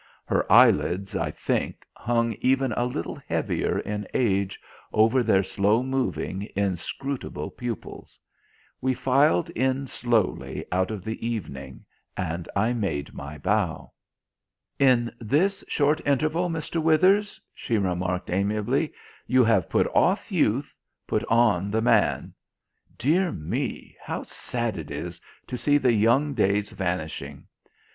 Her eye lids, I think, hung even a little heavier in age over their slow moving inscrutable pupils. We filed in softly out of the evening, and I made my bow. "In this short interval, Mr. Withers," she remarked amiably, "you have put off youth, put on the man. Dear me, how sad it is to see the young days vanishing!